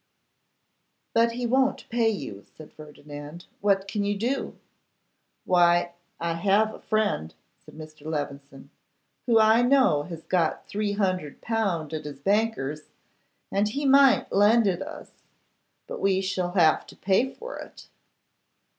'But he won't pay you,' said Ferdinand. 'What can you do?' 'Why, I have a friend,' said Mr. Levison, 'who I know has got three hundred pound at his bankers, and he might lend it us; but we shall have to pay for it.